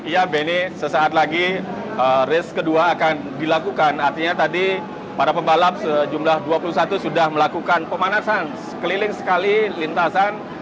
ya benny sesaat lagi race kedua akan dilakukan artinya tadi para pembalap sejumlah dua puluh satu sudah melakukan pemanasan keliling sekali lintasan